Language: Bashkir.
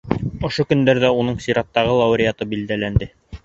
Ошо көндәрҙә уның сираттағы лауреаттары билдәләнде.